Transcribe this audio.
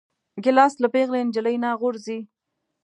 ګیلاس له پېغلې نجلۍ نه غورځي.